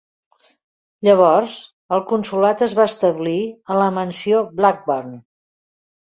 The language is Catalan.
Llavors el consolat es va establir a la mansió Blackburn.